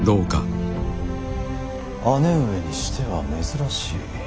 姉上にしては珍しい。